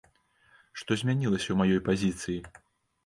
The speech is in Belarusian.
Што змянілася ў маёй пазіцыі?